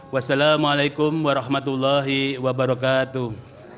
wassalamualaikum warahmatullahi wabarakatuh